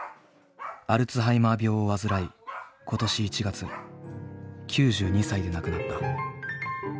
アルツハイマー病を患い今年１月９２歳で亡くなった。